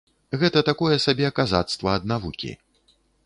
Гэта такое сабе казацтва ад навукі.